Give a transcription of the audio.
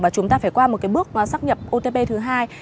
và chúng ta phải qua một bước xác nhập otp thứ hai